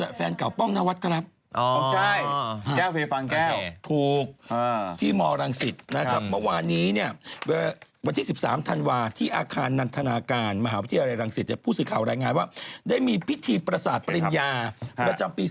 อ้าวโอเคอ๋อไปหน้าหนึ่งกันเลยทีเดียว